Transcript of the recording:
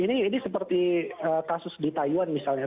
ini seperti kasus di taiwan misalnya